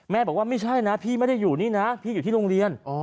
บอกว่าไม่ใช่นะพี่ไม่ได้อยู่นี่นะพี่อยู่ที่โรงเรียน